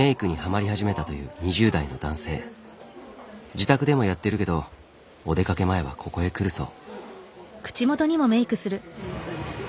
自宅でもやってるけどお出かけ前はここへ来るそう。